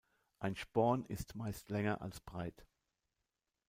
Ein Sporn ist meist länger als breit.